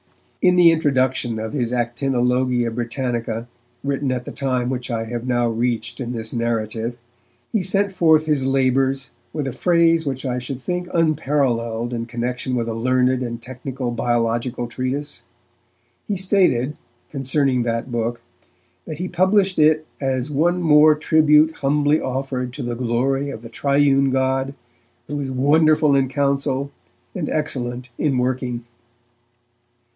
In the introduction of his Actinologia Britannica, written at the time which I have now reached in this narrative, he sent forth his labours with a phrase which I should think unparalleled in connection with a learned and technical biological treatise. He stated, concerning that book, that he published it 'as one more tribute humbly offered to the glory of the Triune God, who is wonderful in counsel, and excellent in working'.